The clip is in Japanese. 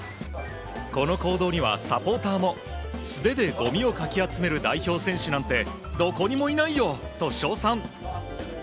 この行動にはサポーターも、素手でごみをかき集める代表選手なんて、どこにもいないよと称賛。